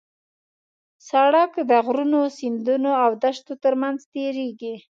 سړک د غرونو، سیندونو او دښتو ترمنځ تېرېږي.